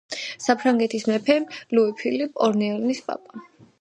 საფრანგეთის მეფე ლუი ფილიპ ორლეანელის პაპა.